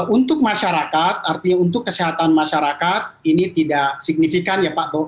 untuk masyarakat artinya untuk kesehatan masyarakat ini tidak signifikan ya pak